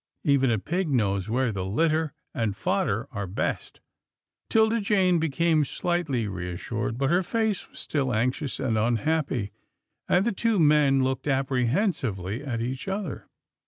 Even a pig knows where the litter and fodder are best." 'Tilda Jane became slightly reassured, but her face was still anxious and unhappy, and the two men looked apprehensively at each other.